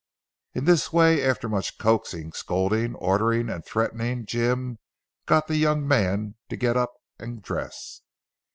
In this way after much coaxing, scolding, ordering and threatening Jim got the young man to get up and dress.